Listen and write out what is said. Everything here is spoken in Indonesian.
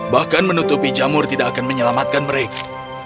bahkan menutupi jamur tidak akan menyelamatkan mereka